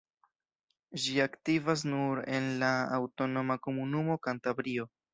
Ĝi aktivas nur en la aŭtonoma komunumo Kantabrio.